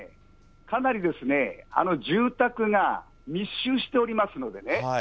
かなり住宅が密集しておりますのでね。